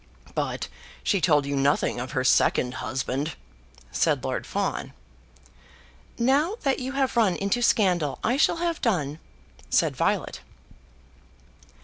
"But she told you nothing of her second husband?" said Lord Fawn. "Now that you have run into scandal, I shall have done," said Violet.